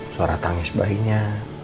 suara tangis bayinya